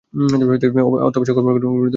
অত্যাবশ্যক কর্মকান্ডগুলোর অবনতি ঘটছে।